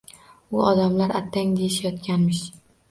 U odamlar attang deyishayotganmish…